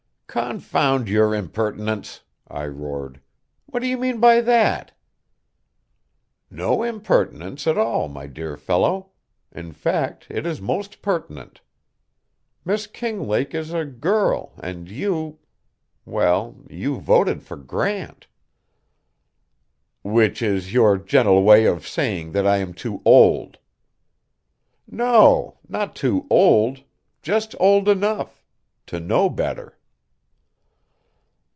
"Confound your impertinence!" I roared, "what do you mean by that?" "No impertinence, at all, my dear fellow. In fact it is most pertinent. Miss Kinglake is a girl, and you well, you voted for Grant." "Which is your gentle way of saying that I am too old." "No, not too old; just old enough to know better."